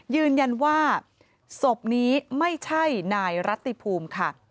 ยืนยันว่าศพนี้ไม่ใช่นายรัติภูมิค่ะ